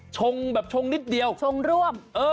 แบบชงนิดเดียวชงร่วม